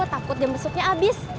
takut jam besoknya abis